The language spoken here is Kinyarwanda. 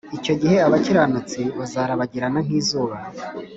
Icyo gihe abakiranutsi bazarabagirana nk’ izuba.